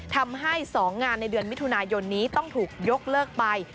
ทำให้๒งานในเดือนมิถุนายนนี้ต้องถูกยกเลิกไป